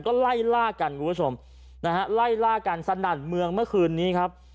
ก็ไล่ล่ากันคุณผู้ชมนะฮะไล่ล่ากันสนั่นเมืองเมื่อคืนนี้ครับ